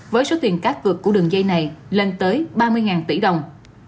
với số tiền cát vượt của đường dây này lên tới ba mươi tỷ đồng